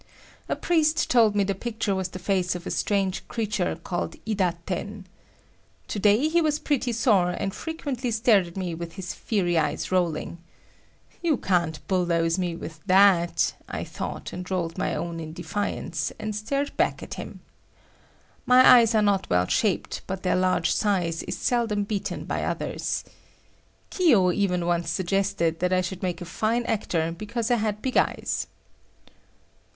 A priest told me the picture was the face of a strange creature called Idaten. To day he was pretty sore, and frequently stared at me with his fiery eyes rolling. "You can't bulldoze me with that," I thought, and rolled my own in defiance and stared back at him. My eyes are not well shaped but their large size is seldom beaten by others. Kiyo even once suggested that I should make a fine actor because I had big eyes.